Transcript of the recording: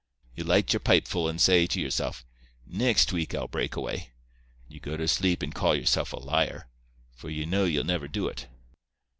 Ye light your pipeful, and say to yoursilf, "Nixt week I'll break away," and ye go to sleep and call yersilf a liar, for ye know ye'll never do it.